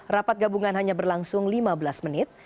rapat gabungan hanya berlangsung lima belas menit